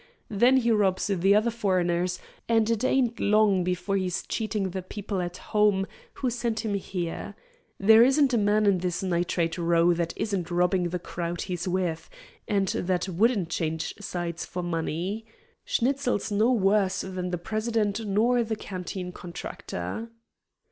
Then he robs the other foreigners, and it ain't long before he's cheating the people at home who sent him here. There isn't a man in this nitrate row that isn't robbing the crowd he's with, and that wouldn't change sides for money. Schnitzel's no worse than the president nor the canteen contractor."